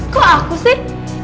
kok aku sih